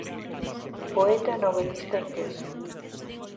Poeta e novelista inglés.